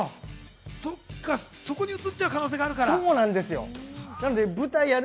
そこに映っちゃう可能性があ舞台やる